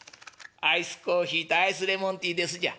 アイスコーヒーとアイスレモンティーですじゃ」。